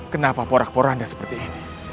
kenapa porak porak anda seperti ini